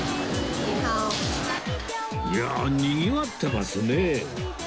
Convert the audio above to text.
いやあにぎわってますね